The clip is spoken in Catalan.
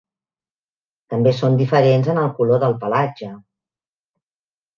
També són diferents en el color del pelatge.